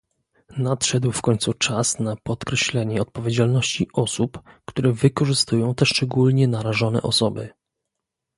Nadszedł w końcu czas na podkreślenie odpowiedzialności osób, które wykorzystują te szczególnie narażone osoby